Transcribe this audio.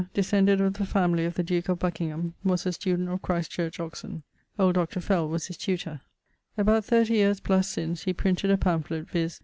descended of the family of the duke of Buckingham, was a student of Christ Church, Oxon. Old Dr. Fell was his tutor. About 30 yeares + since he printed a pamphlet, viz.